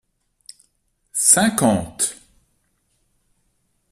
Cinquante.